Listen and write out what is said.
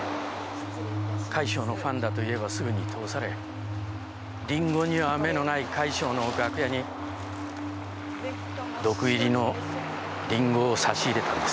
快笑のファンだと言えばすぐに通されリンゴには目のない快笑の楽屋に毒入りのリンゴを差し入れたんです。